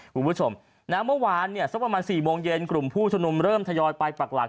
คุณผู้ชมนะเมื่อวานเนี่ยสักประมาณ๔โมงเย็นกลุ่มผู้ชมนุมเริ่มทยอยไปปักหลัก